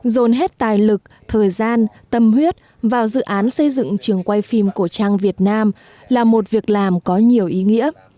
dồn hết tài lực thời gian tâm huyết vào dự án xây dựng trường quay phim cổ trang việt nam là một việc làm có nhiều ý nghĩa